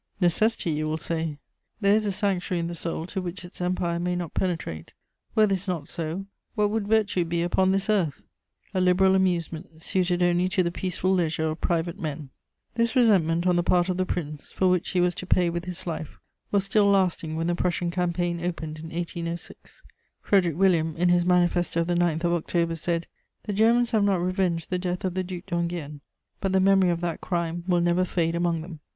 Necessity, you will say. There is a sanctuary in the soul to which its empire may not penetrate; were this not so, what would virtue be upon this earth? A liberal amusement, suited only to the peaceful leisure of private men." This resentment on the part of the Prince, for which he was to pay with his life, was still lasting when the Prussian Campaign opened in 1806. Frederic William, in his manifesto of the 9th of October, said: "The Germans have not revenged the death of the Duc d'Enghien; but the memory of that crime will never fade among them."